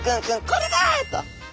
「これだ！」と。